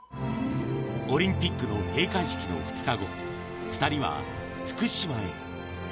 オリンピックの閉会式の２日後、２人は福島へ。